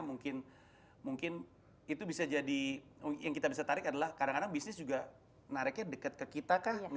mungkin itu bisa jadi yang kita bisa tarik adalah kadang kadang bisnis juga nariknya deket ke kita kah